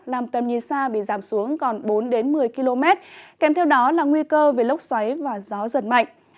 làm tầm nhìn xa bị giảm xuống còn bốn đến một mươi km kèm theo đó là nguy cơ về lốc xoáy và gió giật mạnh